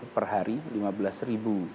per hari lima belas ribu